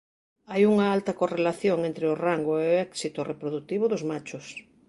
Hai unha alta correlación entre o rango e o éxito reprodutivo dos machos.